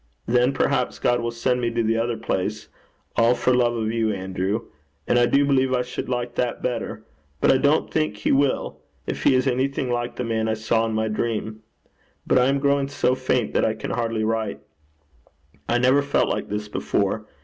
Then, perhaps, God will send me to the other place, all for love of you, Andrew. And I do believe I should like that better. But I don't think he will, if he is anything like the man I saw in my dream. But I am growing so faint that I can hardly write. I never felt like this before.